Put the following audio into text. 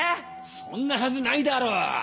そんなはずないだろ。